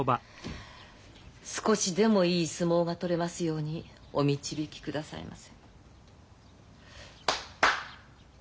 少しでもいい相撲が取れますようにお導きくださいませ。